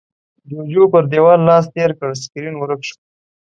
جُوجُو پر دېوال لاس تېر کړ، سکرين ورک شو.